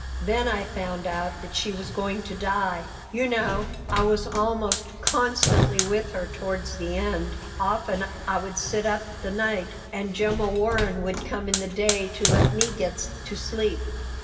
Then I found out that she was going to die You know, I was almost constantly with her towards the end; often I would sit up the night, and Gemma Warren would come in the day to let me get to sleep.